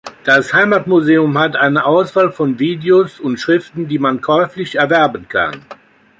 Das Heimatmuseum hat eine Auswahl von Videos und Schriften, die man käuflich erwerben kann.